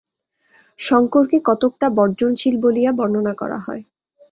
শঙ্করকে কতকটা বর্জনশীল বলিয়া বর্ণনা করা হয়।